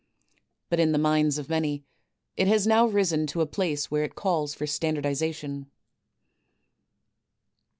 But in the minds of many it has now risen to a place where it cills tor standardization.